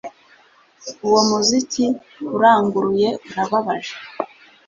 Uwo muziki uranguruye urababaje